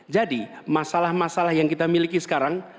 jadi masalah masalah yang kita miliki sekarang